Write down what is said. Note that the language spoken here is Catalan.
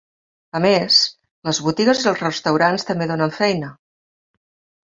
A més, les botigues i els restaurants també donen feina.